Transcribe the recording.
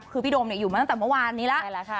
คือพี่โดมเนี่ยอยู่มาตั้งแต่เมื่อวานนี้แล้วใช่แล้วค่ะ